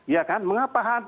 ya kan mengapa hantu